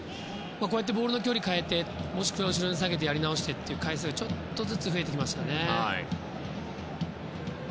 ボールの距離を変えて、もう一度後ろに下げてという回数がやり直してという回数がちょっとずつ増えてきましたね。